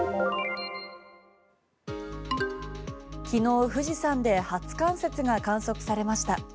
昨日、富士山で初冠雪が観測されました。